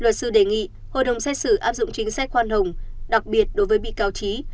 luật sư đề nghị hội đồng xét xử áp dụng chính sách khoan hồng đặc biệt đối với bị cáo trí